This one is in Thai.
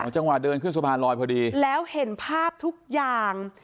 จังหวะเดินขึ้นสะพานลอยพอดีแล้วเห็นภาพทุกอย่าง